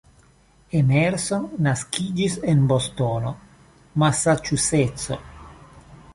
Emerson naskiĝis en Bostono, Masaĉuseco.